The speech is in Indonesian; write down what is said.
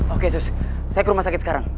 oke saya ke rumah sakit sekarang